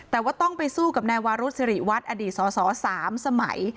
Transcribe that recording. แต่ว่าต้องไปสู้กับนายวารุสิริวัตรอดีตสอสอ๓สมัย